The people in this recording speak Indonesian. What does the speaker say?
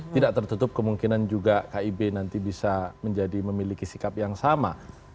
tidak tertutup kemungkinan juga kib nanti bisa menjadi memiliki sikap yang sama